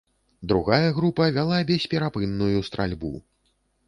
Другая група вяла бесперапынную стральбу.